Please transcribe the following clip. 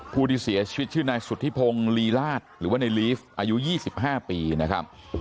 ผู้ที่เสียชีวิตชื่อนายสุธิพงศ์ลีลาศหรือว่าในลีฟอายุ๒๕ปีนะครับ